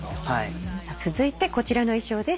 続いてこちらの衣装です。